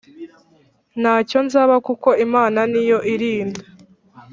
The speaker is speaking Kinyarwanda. ntacyo nzaba kuko imana niyo irinda